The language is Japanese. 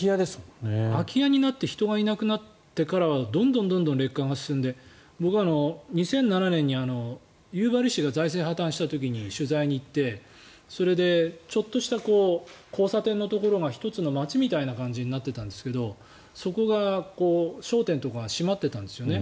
空き家になって人がいなくなってからはどんどん劣化が進んでいて僕、２００７年に夕張市が財政破たんした時に取材に行ってちょっとした交差点のところが１つの町みたいになっていたんですけどそこが商店とかが閉まっていたんですよね。